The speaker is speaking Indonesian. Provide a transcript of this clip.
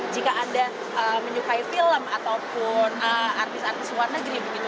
jika anda menyukai film ataupun artis artis luar negeri begitu